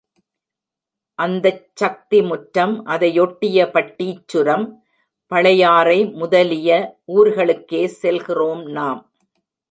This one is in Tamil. அந்தச் சக்திமுற்றம் அதை யொட்டிய பட்டீச்சுரம், பழையாறை முதலிய ஊர்களுக்கே செல்கிறோம் நாம்.